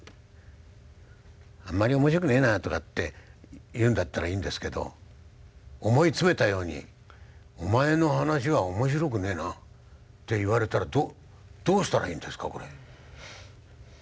「あんまり面白くねぇな」とかって言うんだったらいいんですけど思い詰めたように「お前の噺は面白くねぇな」って言われたらどうしたらいいんですかこれ。